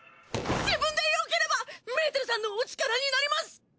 自分でよければメーテルさんのお力になります！